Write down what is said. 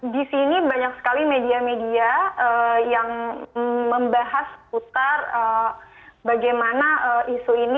di sini banyak sekali media media yang membahas putar bagaimana isu ini